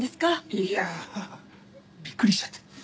いやあびっくりしちゃって。